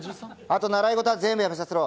あと習い事は全部やめさせろ。